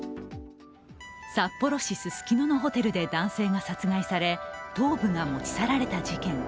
札幌市ススキノのホテルで男性が殺害され、頭部が持ち去られた事件。